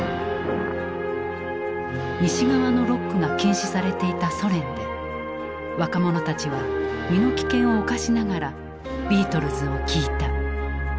西側のロックが禁止されていたソ連で若者たちは身の危険を冒しながらビートルズを聴いた。